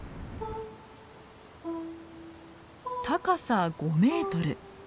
高さ５メートル。